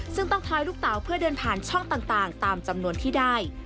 ซึ่งต้องทอยลูกเต๋าเพื่อเดินผ่านช่องต่างตามจำนวนที่ได้